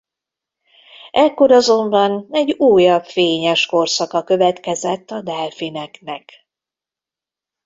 Ekkor azonban egy újabb fényes korszaka következett a Delfineknek.